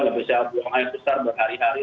lebih sehat buang air besar berhari hari